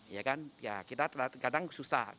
ya kan ya kita kadang susah